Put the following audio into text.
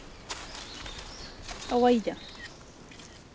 かわいいじゃん。